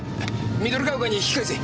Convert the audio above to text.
緑ヶ丘に引き返せ。